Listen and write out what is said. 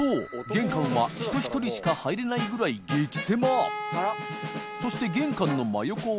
玄関は人１人しか入れないぐらい礇札沺磴修